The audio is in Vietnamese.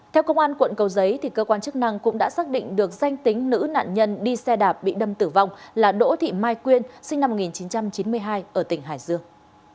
theo công an quận cầu giấy cơ quan chức năng cũng đã xác định được danh tính nữ nạn nhân đi xe đạp bị đâm tử vong là đỗ thị mai quyên sinh năm một nghìn chín trăm chín mươi hai ở tỉnh hải dương